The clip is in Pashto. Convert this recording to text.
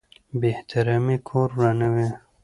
بې احترامي کور ورانوي.